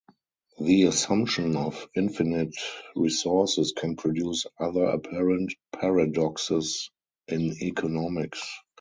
The assumption of infinite resources can produce other apparent paradoxes in economics.